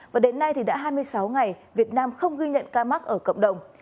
và đến nay thì đã hai mươi sáu ngày việt nam không ghi nhận ca mắc ở cộng đồng